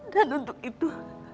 dan untuk itu